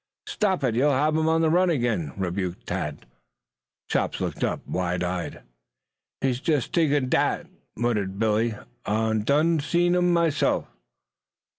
"Stop it! You'll have him on the run again," rebuked Tad. Chops looked up, wide eyed. "Hit jes' lak dat, fer fae'," muttered Billy. "Ah done seen dem myself."